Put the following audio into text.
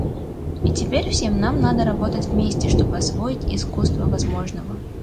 И теперь всем нам надо работать вместе, чтобы освоить искусство возможного.